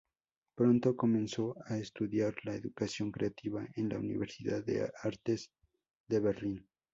Pronto comenzó a estudiar "la educación creativa" en la Universidad de Artes de Berlín.